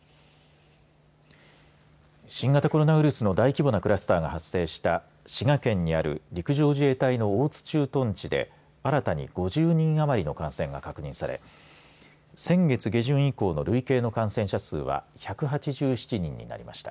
新型コロナウイルスの大規模なクラスターが発生した滋賀県にある陸上自衛隊の大津駐屯地で新たに５０人余りの感染が確認され先月下旬以降の累計の感染者数は１８７人になりました。